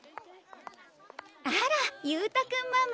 あら勇太君ママ。